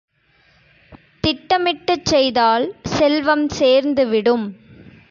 திட்டமிட்டுச் செய்தால் செல்வம் சேர்ந்துவிடும்.